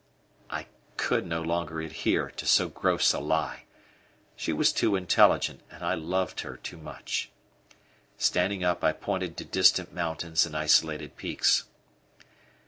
I could no longer adhere to so gross a lie. She was too intelligent, and I loved her too much. Standing up, I pointed to distant mountains and isolated peaks.